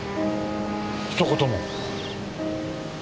ひと言も？